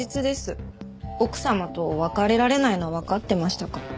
奥様と別れられないのはわかってましたから。